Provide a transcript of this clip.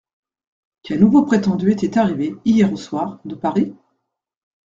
Qu’un nouveau prétendu était arrivé, hier au soir, de Paris ?